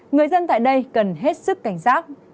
người dân tại đây cần hết sức cảnh giác